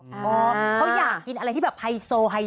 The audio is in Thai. เขาอยากกินอะไรที่แบบไฮโซไฮไ